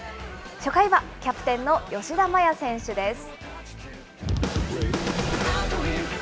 初回はキャプテンの吉田麻也選手です。